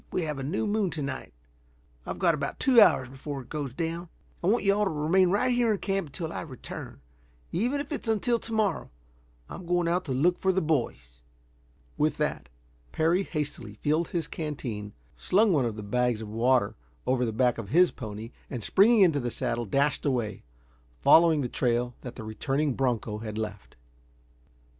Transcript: We have a new moon to night. I've got about two hours before it goes down. I want you all to remain right here in camp until I return. Even if it's until to morrow. I'm going out to look for the boys." With that Parry hastily filled his canteen, slung one of the bags of water over the back of his pony, and springing into the saddle dashed away, following the trail that the returning broncho had left.